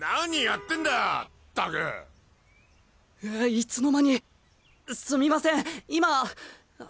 いつの間にすみません今。